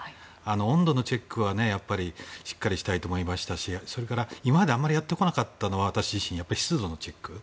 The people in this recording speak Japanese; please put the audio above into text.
温度のチェックはしっかりしたいと思いましたしそれから今まであまりやってこなかったのは私自身、湿度のチェック。